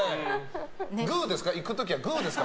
グーですか？